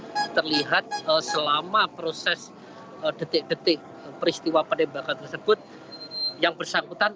yang terlihat selama proses detik detik peristiwa penembakan tersebut yang bersangkutan